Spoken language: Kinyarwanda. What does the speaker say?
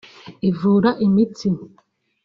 ivura imitsi